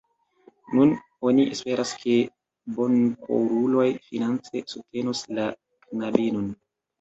Nun oni esperas, ke bonkoruloj finance subtenos la knabinon.